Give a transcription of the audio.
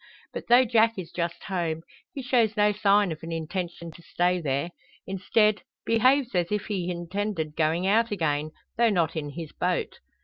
But though Jack is just home, he shows no sign of an intention to stay there; instead, behaves as if he intended going out again, though not in his boat.